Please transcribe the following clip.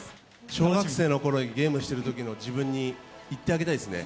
小学生のころにゲームしてるときの自分に言ってあげたいですね。